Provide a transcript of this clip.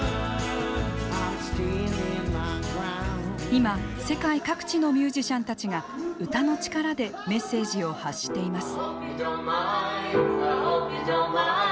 今、世界各地のミュージシャンたちが歌の力でメッセージを発しています。